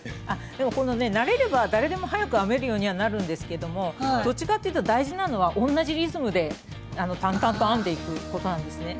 でもこのね慣れれば誰でも速く編めるようにはなるんですけどもどっちかっていうと大事なのは同じリズムで淡々と編んでいくことなんですね。